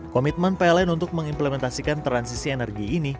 komitmen pln untuk mengimplementasikan transisi energi ini